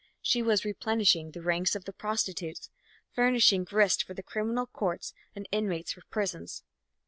She was replenishing the ranks of the prostitutes, furnishing grist for the criminal courts and inmates for prisons.